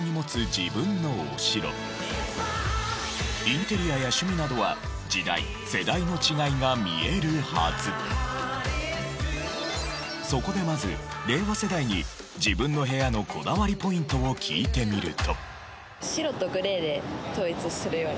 自分のインテリアや趣味などはそこでまず令和世代に自分の部屋のこだわりポイントを聞いてみると。